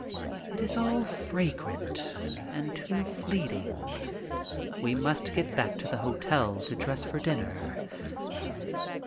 It is all fragrant and too fleeting. We must get back to the hotel to dress for dinner.